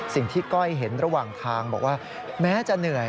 ก้อยเห็นระหว่างทางบอกว่าแม้จะเหนื่อย